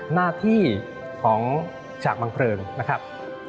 หน้าที่ของฉากบังเพลิงนะครับ